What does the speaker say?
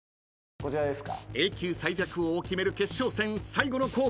こちらですか？